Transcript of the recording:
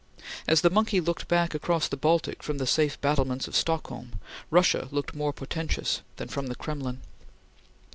As the monkey looked back across the Baltic from the safe battlements of Stockholm, Russia looked more portentous than from the Kremlin.